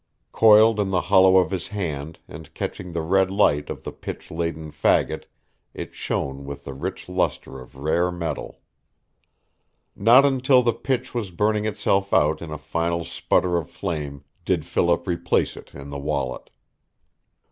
Coiled in the hollow of his hand and catching the red light of the pitch laden fagot it shone with the rich luster of rare metal. Not until the pitch was burning itself out in a final sputter of flame did Philip replace it in the wallet.